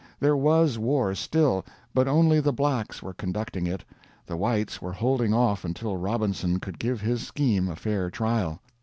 There was war still, but only the Blacks were conducting it the Whites were holding off until Robinson could give his scheme a fair trial.